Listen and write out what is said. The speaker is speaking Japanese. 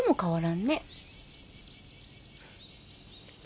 ん？